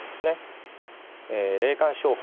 霊感商法